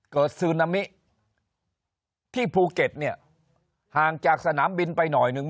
ซึนามิที่ภูเก็ตเนี่ยห่างจากสนามบินไปหน่อยหนึ่ง